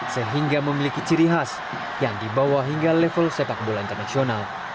sehingga memiliki ciri khas yang dibawa hingga level sepak bola internasional